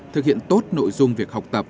thực hiện tốt nội dung việc học tập